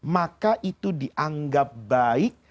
maka itu dianggap baik